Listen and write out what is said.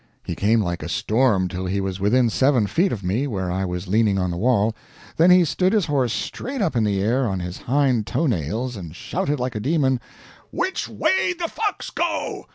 He came like a storm till he was within seven feet of me, where I was leaning on the wall, then he stood his horse straight up in the air on his hind toe nails, and shouted like a demon: "'Which way'd the fox go?'